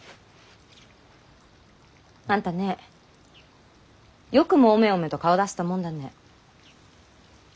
あんたねよくもおめおめと顔出せたもんだね。